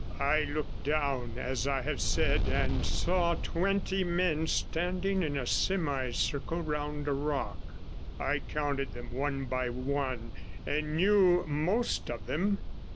I looked down, as I have said, and saw twenty men standing in a semicircle round a rock; I counted them one by one, and knew most of them.